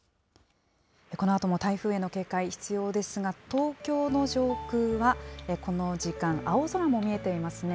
このあとも台風への警戒必要ですが、東京の上空はこの時間、青空も見えていますね。